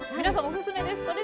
皆さんおすすめです。